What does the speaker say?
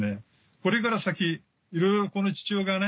これから先いろいろこの父親がね